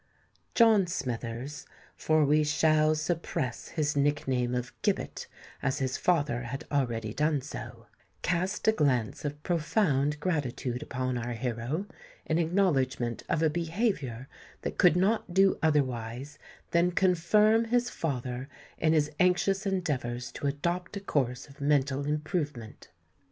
John Smithers (for we shall suppress his nickname of Gibbet, as his father had already done so) cast a glance of profound gratitude upon our hero, in acknowledgment of a behaviour that could not do otherwise than confirm his father in his anxious endeavours to adopt a course of mental improvement.